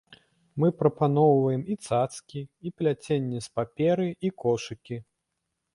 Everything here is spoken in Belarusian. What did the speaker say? Мы прапаноўваем і цацкі, і пляценні з паперы, і кошыкі.